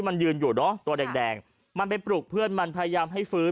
มันไปปลูกเพื่อนมันพยายามให้ฟื้น